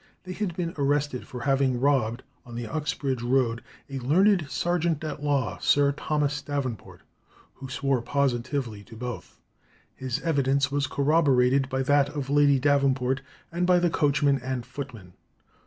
They had been arrested for having robbed, on the Uxbridge road, a learned sergeant at law, Sir Thomas Davenport, who swore positively to both. His evidence was corroborated by that of Lady Davenport, and by the coachman and footman.